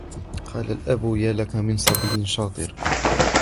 قال الأب يالك من صبي شاطر